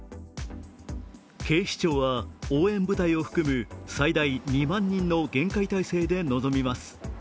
警視庁は応援部隊を含む最大２万人の厳戒態勢で臨みます。